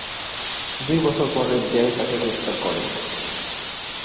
দুই বছর পর এফবিআই তাকে গ্রেফতার করে।